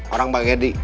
orang pak gedi